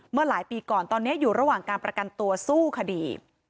เมื่อหลายปีก่อนตอนนี้อยู่ระหว่างการประกันตัวสู้คดี